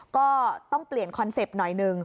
ก็ต้องเปลี่ยนคอนเซ็ปต์หน่อยหนึ่ง